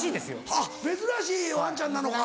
あっ珍しいワンちゃんなのか。